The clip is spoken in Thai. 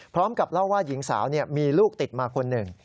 พร้อมกับเล่าว่าหญิงสาวมีลูกติดมาคนหนึ่ง